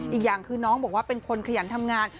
อีกอย่างคือน้องบอกว่าเป็นคนขยันทำงาน